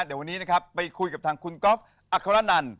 เดี๋ยววันนี้นะครับไปคุยกับทางคุณก๊อฟอัครนัน